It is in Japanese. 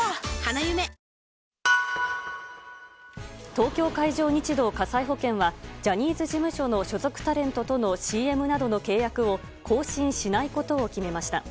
東京海上日動火災保険はジャニーズ事務所の所属タレントとのＣＭなどの契約を更新しないことを決めました。